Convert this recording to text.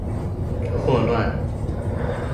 霍亂